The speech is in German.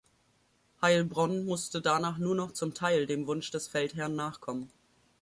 Heilbronn musste danach nur noch zum Teil dem Wunsch des Feldherrn nachkommen.